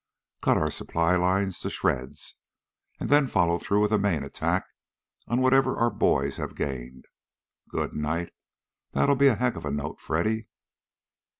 Cut our supply lines to shreds, and then follow through with a main attack on whatever our boys have gained. Good night! That'll be a heck of a note, Freddy!"